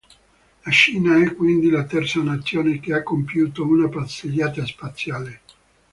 La Cina è quindi la terza nazione che ha compiuto una passeggiata spaziale.